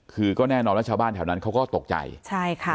คือก็แน่นอนว่าชาวบ้านแถวนั้นเขาก็ตกใจใช่ค่ะ